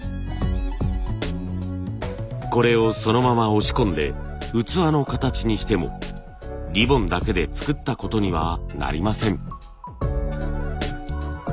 これをそのまま押し込んで器の形にしてもリボンだけで作ったことにはなりません。